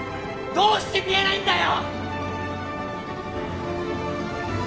どうして見えないんだよ